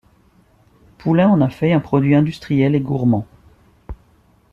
Poulain en a fait un produit industriel et gourmand.